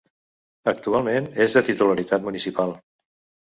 Actualment és de titularitat municipal.